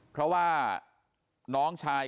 เพราะว่าน้องชาย